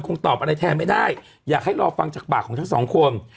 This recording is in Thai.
ตอบอะไรแทนไม่ได้อยากให้รอฟังจากปากของทั้งสองคน